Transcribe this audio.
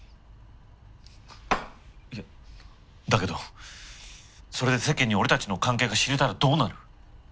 いやだけどそれで世間に俺たちの関係が知れたらどうなる。